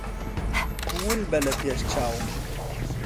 ون بە لە پێش چاوم.